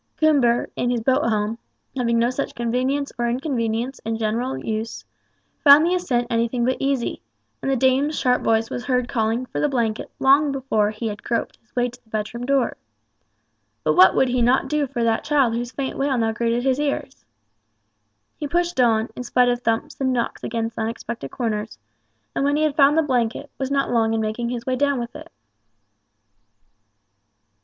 Coomber, in his boat home, having no such convenience or inconvenience in general use, found the ascent anything but easy, and the dame's sharp voice was heard calling for the blanket long before he had groped his way to the bedroom door. But what would he not do for that child whose faint wail now greeted his ears? He pushed on, in spite of thumps and knocks against unexpected corners, and when he had found the blanket, was not long in making his way down with it.